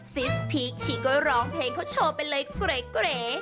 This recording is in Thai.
ซิสพีคชีโก้ร้องเพลงเขาโชว์ไปเลยเกร